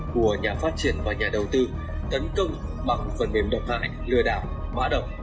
của nhà phát triển và nhà đầu tư tấn công bằng phần mềm độc hại lừa đảo bã động